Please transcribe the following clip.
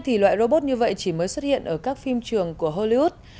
thì loại robot như vậy chỉ mới xuất hiện ở các phim trường của hollywood